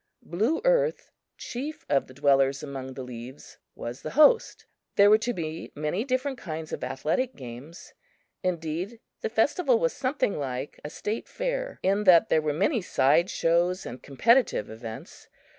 Blue Earth, chief of the "Dwellers among the Leaves," was the host. There were to be many different kinds of athletic games; indeed, the festival was something like a State fair, in that there were many side shows and competitive events.